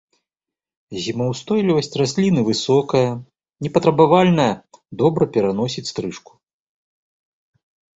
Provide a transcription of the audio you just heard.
Зімаўстойлівасць расліны высокая, непатрабавальная, добра пераносіць стрыжку.